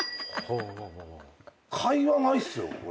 会話ないっすよ俺。